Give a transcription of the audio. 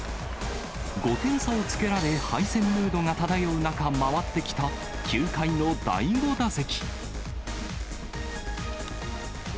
５点差をつけられ、敗戦ムードが漂う中、回ってきた、９回の第５打席。